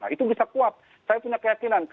itu bisa kuat